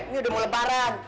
ini udah mau lebaran